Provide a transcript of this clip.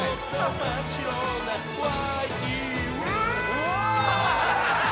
うわ！